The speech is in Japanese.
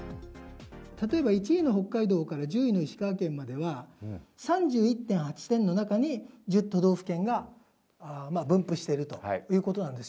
例えば１位の北海道から１０位の石川県までは、３１．８点の中に１０都道府県が分布しているということなんです。